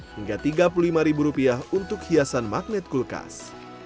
hingga tiga puluh lima ribu rupiah untuk hiasan magnet kulkas